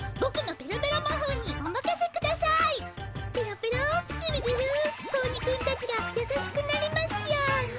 ペロペログルグル子鬼くんたちがやさしくなりますように。